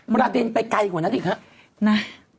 ประเด็นไปไกลกว่านั้นอีกครับ